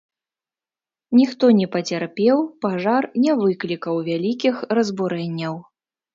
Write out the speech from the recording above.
Ніхто не пацярпеў, пажар не выклікаў вялікіх разбурэнняў.